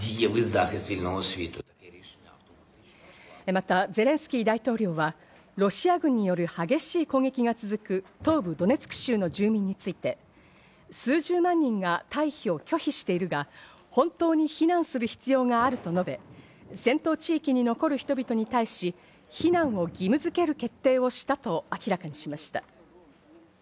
またゼレンスキー大統領は、ロシア軍による激しい攻撃が続く東部ドネツク州の住民について、数十万人が退避を拒否しているが、本当に避難する必要があると述べ、戦闘地域に残る人々に対し、避難を義務づける決定をしたと明らかにしました。